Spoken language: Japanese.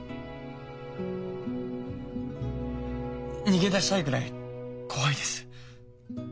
逃げだしたいぐらい怖いです。